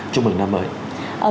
chúc mừng năm mới